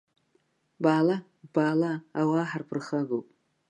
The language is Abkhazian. Баала, баала, ауаа ҳарԥырхагоуп.